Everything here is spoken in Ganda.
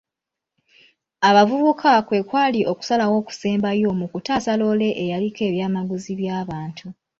Abavubuka kwe kwali okusalawo okusembayo mu kutaasa loole eyaliko ebyamaguzi by'abantu.